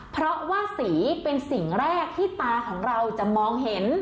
เพราะว่าสีเป็นสิ่งแรกที่ตาของเราจะมองเห็น